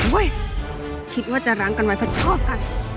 โอ๊ยคิดว่าจะรังกันไว้เพื่อชอบกัน